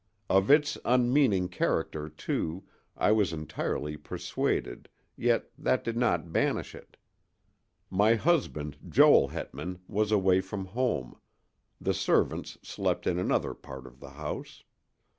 Of its unmeaning character, too, I was entirely persuaded, yet that did not banish it. My husband, Joel Hetman, was away from home; the servants slept in another part of the house.